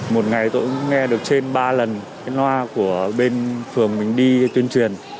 một ngày tôi cũng nghe được trên ba lần cái hoa của bên phường mình đi tuyên truyền